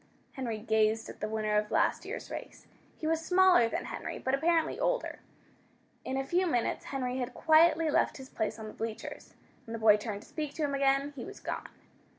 Henry gazed at the winner of last year's race. He was smaller than Henry, but apparently older. In a few minutes Henry had quietly left his place on the bleachers. When the boy turned to speak to him again, he was gone.